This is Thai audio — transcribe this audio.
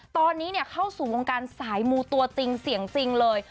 ตอนนี้เข้าสู่วงการสายมูตัวจริงเสียงจริงเลย